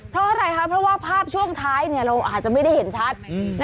เพราะอะไรคะเพราะว่าภาพช่วงท้ายเราอาจจะไม่ได้เห็นชัด